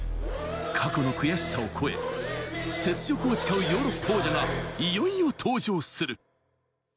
過去の悔しさを超え、雪辱を誓うヨーロッパ王者がいよいよ登場する。